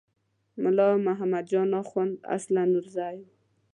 ملا محمد جان اخوند اصلاً نورزی و.